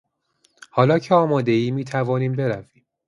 حالا که آمادهای میتوانیم برویم.